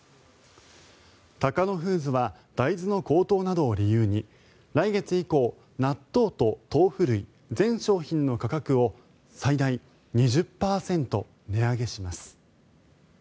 タカノフーズは大豆の高騰などを理由に来月以降納豆と豆腐類全商品の価格を最大２０％値上げします。